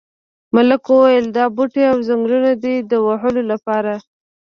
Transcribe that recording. ملک وویل دا بوټي او ځنګلونه دي د وهلو لپاره.